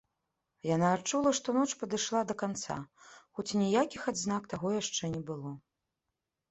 Яна адчула, што ноч падышла да канца, хоць ніякіх адзнак таго яшчэ не было.